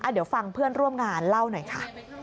เดี๋ยวฟังเพื่อนร่วมงานเล่าหน่อยค่ะ